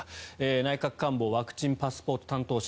内閣官房ワクチンパスポート担当者。